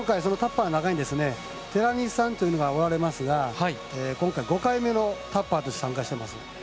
今回、そのタッパーの中に寺西さんというのがおられますが今回５回目のタッパーとして参加されています。